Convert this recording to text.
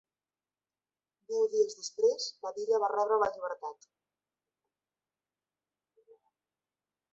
Deu dies després, Padilla va rebre la llibertat.